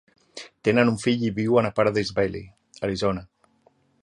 Tenen un fill i viuen a Paradise Valley, Arizona.